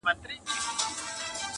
• هرکلي ته مې جانان خندان را ووت ,